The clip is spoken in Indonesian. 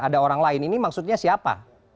ada orang lain ini maksudnya siapa